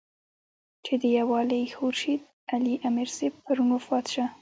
چې د دېولۍ خورشېد علي امير صېب پرون وفات شۀ